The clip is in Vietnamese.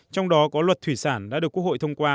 trong đó có luật thủy sản đã được quốc hội thông qua